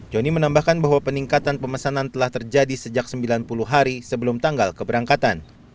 joni menambahkan bahwa peningkatan pemesanan telah terjadi sejak sembilan puluh hari sebelum tanggal keberangkatan